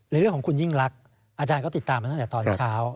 เรื่องของคุณยิ่งรักอาจารย์ก็ติดตามมาตั้งแต่ตอนเช้า